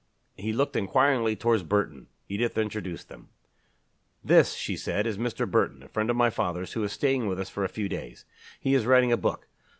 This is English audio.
He looked inquiringly towards Burton. Edith introduced them. "This," she said, "is Mr. Burton, a friend of father's, who is staying with us for a few days. He is writing a book.